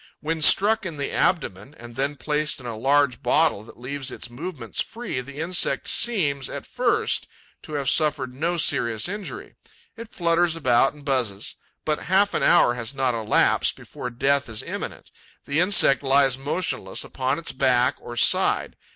When struck in the abdomen and then placed in a large bottle that leaves its movements free, the insect seems, at first, to have suffered no serious injury. It flutters about and buzzes. But half an hour has not elapsed before death is imminent. The insect lies motionless upon its back or side.